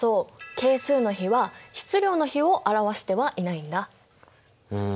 係数の比は質量の比を表してはいないんだ。うん。